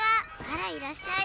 「あらいらっしゃい」。